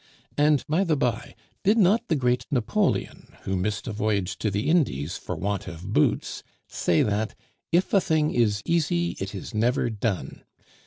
And by the by, did not the great Napoleon, who missed a voyage to the Indies for want of boots, say that, 'If a thing is easy, it is never done?